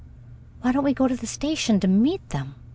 "Why don't we go to the station to meet them?"